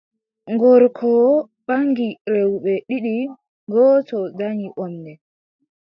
Gorko ɓaŋgi rewɓe ɗiɗi, gooto danyi wamnde,